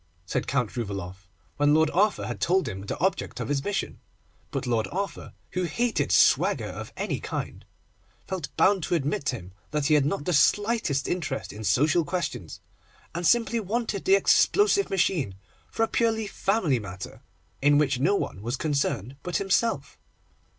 said Count Rouvaloff, when Lord Arthur had told him the object of his mission; but Lord Arthur, who hated swagger of any kind, felt bound to admit to him that he had not the slightest interest in social questions, and simply wanted the explosive machine for a purely family matter, in which no one was concerned but himself.